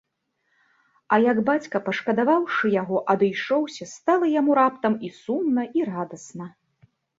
А як бацька, пашкадаваўшы яго, адышоўся, стала яму раптам і сумна, і радасна.